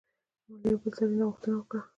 ما له یوه بل سړي نه غوښتنه وکړه.